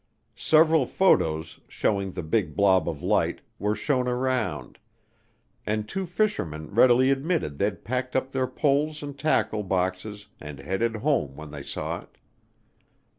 Several photos, showing the big blob of light, were shown around, and two fishermen readily admitted they'd packed up their poles and tackle boxes and headed home when they saw it.